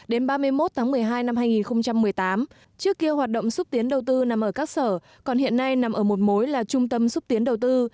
đến ba mươi một tháng một mươi hai năm hai nghìn một mươi tám trước kia hoạt động xúc tiến đầu tư nằm ở các sở còn hiện nay nằm ở một mối là trung tâm xúc tiến đầu tư